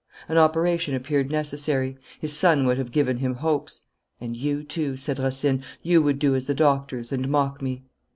An operation appeared necessary. His son would have given him hopes. 'And you, too,' said Racine, 'you would do as the doctors, and mock me?